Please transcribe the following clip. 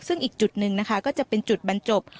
ซึ่งอีกจุดหนึ่งนะคะก็จะเป็นจุดบรรจบ